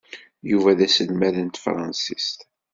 Yuba d aselmad n tefransist.